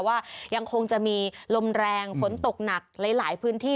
ว่ายังคงจะมีลมแรงฝนตกหนักหลายพื้นที่